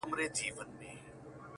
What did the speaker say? چي د ارواوو په نظر کي بند سي.